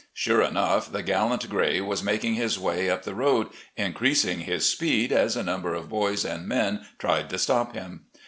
Sure enough, the gallant gray was making his way up the road, increasing his speed as a number of boys and men tried to stop him.